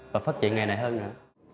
và phát triển ngày này hơn nữa